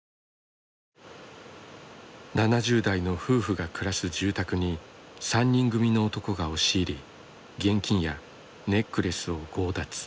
７０代の夫婦が暮らす住宅に３人組の男が押し入り現金やネックレスを強奪。